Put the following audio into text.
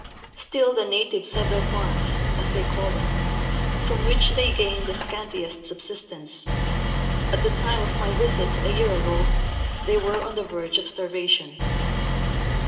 Still the natives have their " farms," as they call them, from which they gain the scantiest subsistence ; at the time of my visit, a year ago, they were on the verge of starvation.